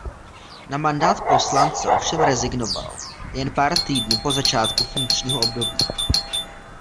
Na mandát poslance ovšem rezignoval jen pár týdnů po začátku funkčního období.